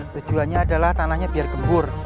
tujuannya adalah tanahnya biar gembur